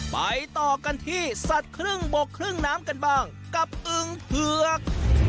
ไปต่อกันที่สัตว์ครึ่งบกครึ่งน้ำกันบ้างกับอึงเผือก